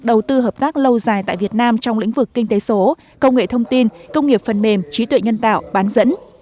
đầu tư hợp tác lâu dài tại việt nam trong lĩnh vực kinh tế số công nghệ thông tin công nghiệp phần mềm trí tuệ nhân tạo bán dẫn